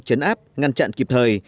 chấn áp ngăn chặn kịp thời